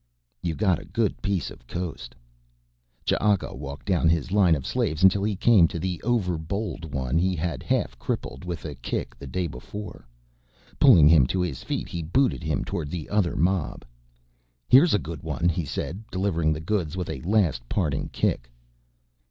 "You got a good piece coast." Ch'aka walked down his line of slaves until he came to the over bold one he had half crippled with a kick the day before. Pulling him to his feet he booted him towards the other mob. "Here's a good one," he said, delivering the goods with a last parting kick.